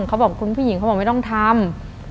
คุณผู้หญิงเขาบอกไม่ต้องทำ